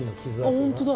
本当だ！